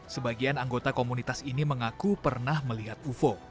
sebagian anggota komunitas ini mengaku pernah melihat ufo